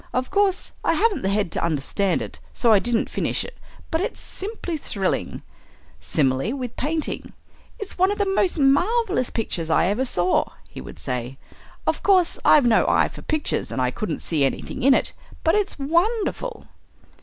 Of course I haven't the head to understand it, so I didn't finish it, but it's simply thrilling." Similarly with painting, "It's one of the most marvellous pictures I ever saw," he would say. "Of course I've no eye for pictures, and I couldn't see anything in it, but it's wonderful!"